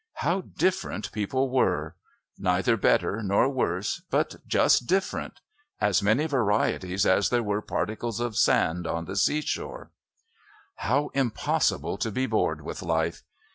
How different people were! Neither better nor worse, but just different. As many varieties as there were particles of sand on the seashore. How impossible to be bored with life.